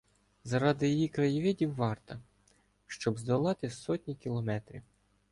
Заради її краєвидів варта, щоб здолати сотні кілометрів